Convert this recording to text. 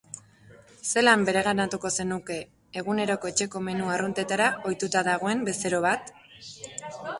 Zelan bereganatuko zenuke eguneroko etxeko menu arruntetara ohituta dagoen bezero bat?